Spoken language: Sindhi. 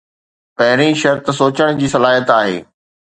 پهرين شرط سوچڻ جي صلاحيت آهي.